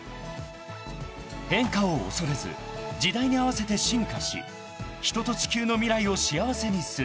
［変化を恐れず時代に合わせて進化し人と地球の未来を幸せにする］